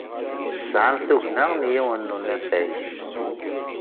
Tesɛam tugna n yiwen n unafag.